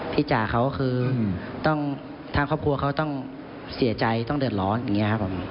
จ่าเขาคือต้องทางครอบครัวเขาต้องเสียใจต้องเดือดร้อนอย่างนี้ครับผม